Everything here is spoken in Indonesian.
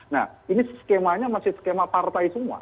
nah ini skemanya masih skema partai semua